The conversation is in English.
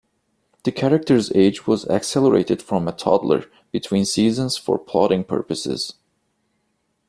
The character's age was accelerated from a toddler between seasons for plotting purposes.